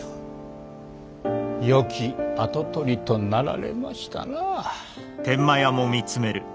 良き跡取りとなられましたな。